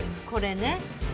これね。